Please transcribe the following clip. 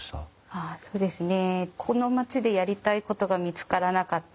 ああそうですね。